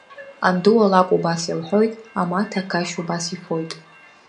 Анду алакә убас илҳәоит, амаҭа ақашь убас ифоит…